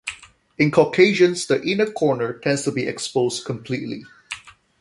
In Caucasians the inner corner tends to be exposed completely.